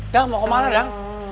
dang mau ke mana dang